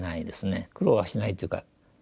苦労はしないというか